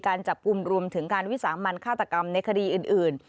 การจับกลุ่มรวมถึงการวิสามันฆาตกรรมในคดีอื่น